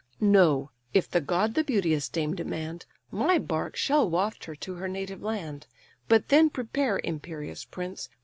Know, if the god the beauteous dame demand, My bark shall waft her to her native land; But then prepare, imperious prince!